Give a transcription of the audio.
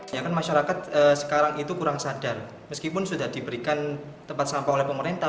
ya kan masyarakat sekarang itu kurang sadar meskipun sudah diberikan tempat sampah oleh pemerintah